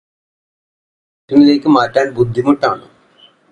മറ്റൊരു സ്റ്റേഷനിലേയ്ക് മാറ്റാന് ബുദ്ധിമുട്ടാണ്